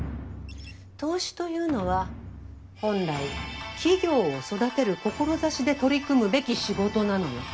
投資というのは本来企業を育てる志で取り組むべき仕事なのよ。